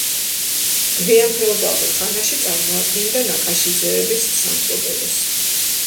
გვიან ფეოდალურ ხანაში წარმოადგენდა ნაკაშიძეების სამფლობელოს.